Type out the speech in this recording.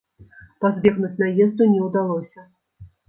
Пазбегнуць наезду не ўдалося.